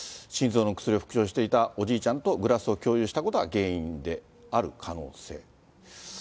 心臓の薬を服用していたおじいちゃんとグラスを共有したことが原因である可能性。